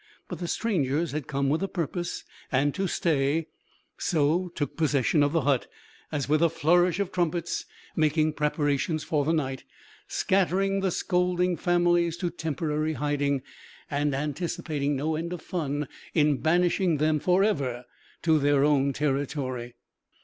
But the strangers had come with a purpose, and to stay, so took possession of the hut as with a flourish of trumpets, making preparations for the night, scattering the scolding families to temporary hiding, and anticipating no end of fun in banishing them forever to their own territory.